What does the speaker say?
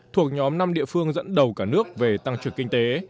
thuộc nhóm năm địa phương dẫn đầu cả nước về tăng trưởng kinh tế